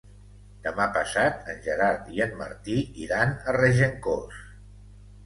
Demà passat en Gerard i en Martí iran a Regencós.